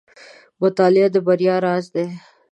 • مطالعه د بریا راز دی.